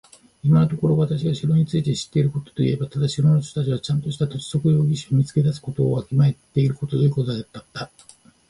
今のところ私が城について知っていることといえば、ただ城の人たちはちゃんとした土地測量技師を見つけ出すことをわきまえているということだけだ。